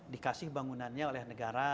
dikasih bangunannya oleh negara